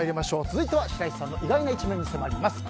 続いては白石さんの意外な一面に迫ります。